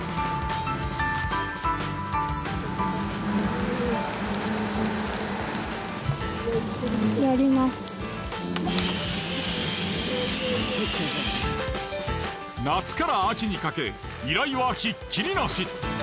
家庭では夏から秋にかけ依頼はひっきりなし。